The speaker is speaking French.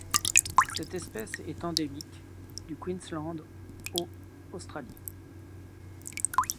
Cette espèce est endémique du Queensland au Australie.